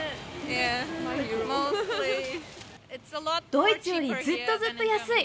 ドイツよりずっとずっと安い。